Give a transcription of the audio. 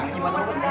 gimana mau percaya lo